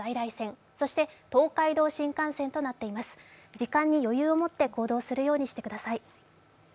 時間に余裕を持って行動するようにしてください。